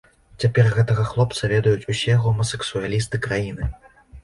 Цяпер гэтага хлопца ведаюць усе гомасэксуалісты краіны.